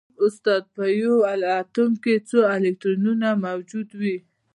استاده په یو اتوم کې څو الکترونونه موجود وي